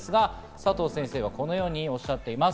佐藤先生はこのようにおっしゃっています。